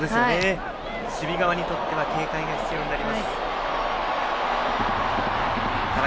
守備側にとっては警戒が必要です。